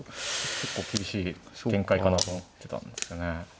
結構厳しい展開かなと思ってたんですけどね。